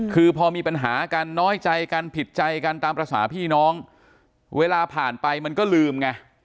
คือพอมีปัญหากันน้อยใจกันผิดใจกันตามภาษาพี่น้องเวลาผ่านไปมันก็ลืมไง